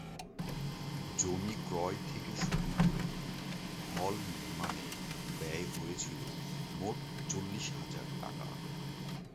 জমি ক্রয় থেকে শুরু করে হল নির্মাণে ব্যয় হয়েছিল মোট চল্লিশ হাজার টাকা।